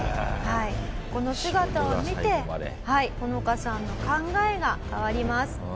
この姿を見てホノカさんの考えが変わります。